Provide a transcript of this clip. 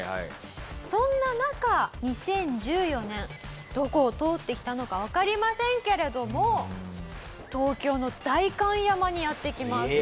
そんな中２０１４年どこを通ってきたのかわかりませんけれども東京の代官山にやって来ます。